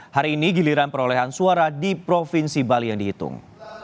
hari ini giliran perolehan suara di provinsi bali yang dihitung